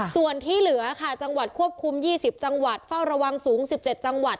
ส่วนที่เหลือค่ะจังหวัดควบคุม๒๐จังหวัดเฝ้าระวังสูง๑๗จังหวัด